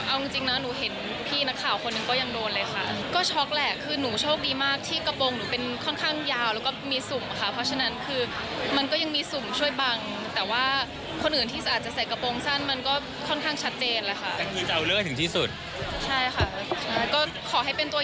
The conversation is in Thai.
อาจจะใส่กระโปรงสั้นมันก็ค่อนข้างชัดเจน